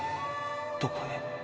どこへ？